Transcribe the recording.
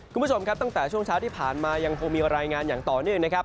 คุณผู้ชมครับตั้งแต่ช่วงเช้าที่ผ่านมายังคงมีรายงานอย่างต่อเนื่องนะครับ